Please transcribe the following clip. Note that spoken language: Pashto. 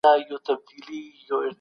تاسو د طبیعي شربت په څښلو بوخت یاست.